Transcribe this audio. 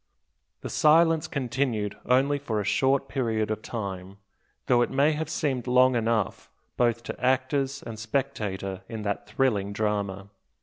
The silence continued only for a short period of time, though it may have seemed long enough both to actors and spectator in that thrilling drama.